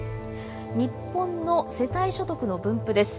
日本の世帯所得の分布です。